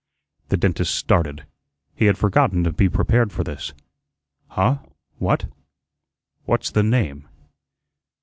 The dentist started. He had forgotten to be prepared for this. "Huh? What?" "What's the name?"